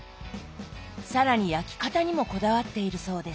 更に焼き方にもこだわっているそうです。